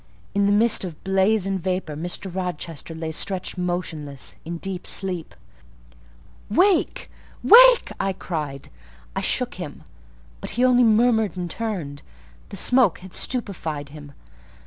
In the midst of blaze and vapour, Mr. Rochester lay stretched motionless, in deep sleep. "Wake! wake!" I cried. I shook him, but he only murmured and turned: the smoke had stupefied him.